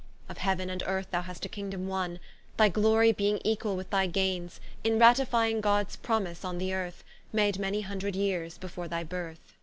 Of Heaven and Earth thou hast a Kingdom wonne, Thy Glory beeing equall with thy Gaines, In ratifying Gods promise on th'earth, Made many hundred yeares before thy berth.